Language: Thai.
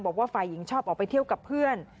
บอกว่าฝ่ายหญิงชอบออกไปเที่ยวกับเพื่อน